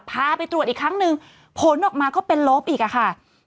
พาไปตรวจอีกครั้งหนึ่งผลออกมาก็เป็นลบอีกอะค่ะ